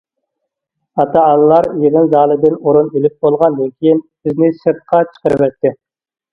ئاتا- ئانىلار يىغىن زالىدىن ئورۇن ئېلىپ بولغاندىن كېيىن بىزنى سىرتقا چىقىرىۋەتتى.